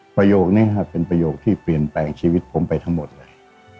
ประโยคนี้ครับเป็นประโยคที่เปลี่ยนแปลงชีวิตผมไปทั้งหมดเลย